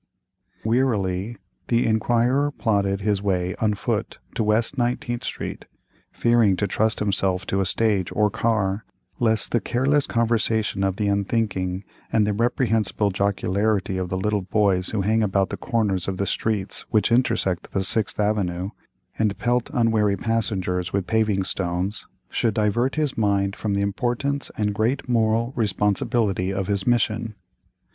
Wearily the inquirer plodded his way on foot to West 19th Street, fearing to trust himself to a stage or car, lest the careless conversation of the unthinking, and the reprehensible jocularity of the little boys who hang about the corners of the streets which intersect the Sixth Avenue, and pelt unwary passengers with paving stones, should divert his mind from the importance and great moral responsibility of his mission.